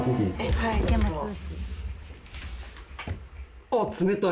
はい。